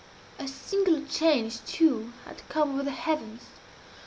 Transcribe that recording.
A singular change, too, had come over the heavens.